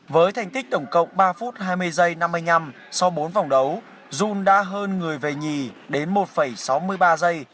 với thành tích tổng cộng ba phút hai mươi giây năm mươi năm sau bốn vòng đấu jun đã hơn người về nhì đến một sáu mươi ba giây